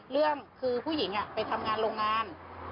เรื่องคือผู้หญิงไปทำงานโรงงาน